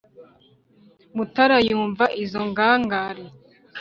mutara yumva izo ngangare.